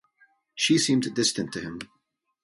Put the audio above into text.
She seemed distant to him.